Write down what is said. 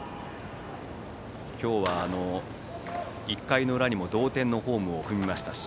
今日は１回の裏にも同点のホームを踏みましたし